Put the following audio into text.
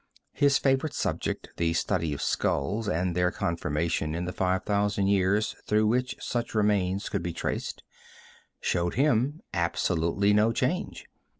His favorite subject, the study of skulls, and their conformation in the five thousand years through which such remains could be traced, showed him absolutely no change.